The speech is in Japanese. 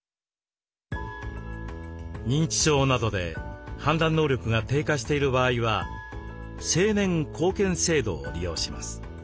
認知症などで判断能力が低下している場合は「成年後見制度」を利用します。